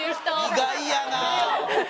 意外やな！